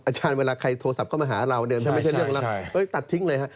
อาจารย์เวลาใครโทรศัพท์เข้ามาหาเราเนี่ยถ้าไม่ใช่เรื่องรักตัดทิ้งเลยฮะ